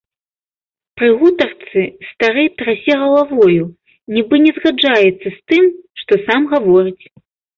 Пры гутарцы стары трасе галавою, нібы не згаджаецца з тым, што сам гаворыць.